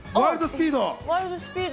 『ワイルドスピード』。